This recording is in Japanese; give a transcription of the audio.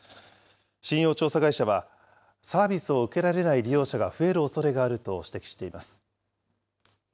信用調査会社は、サービスを受けられない利用者が増えるおそれがあると指摘しています。